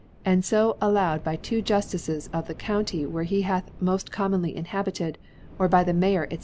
and fo allowed by twp Jutticcs of the County, where he bath mod: commonly inhabited, or by the Mayor, (sf^.